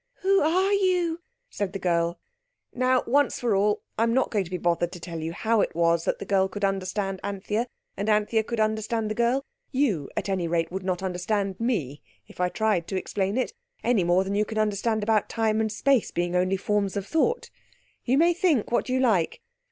"Who are you?" said the girl. Now, once for all, I am not going to be bothered to tell you how it was that the girl could understand Anthea and Anthea could understand the girl. You, at any rate, would not understand me, if I tried to explain it, any more than you can understand about time and space being only forms of thought. You may think what you like.